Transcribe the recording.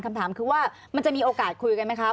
คำถามคือว่ามันจะมีโอกาสคุยกันไหมคะ